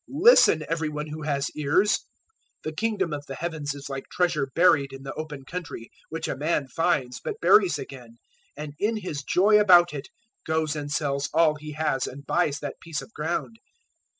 Listen, every one who has ears! 013:044 "The Kingdom of the Heavens is like treasure buried in the open country, which a man finds, but buries again, and, in his joy about it, goes and sells all he has and buys that piece of ground.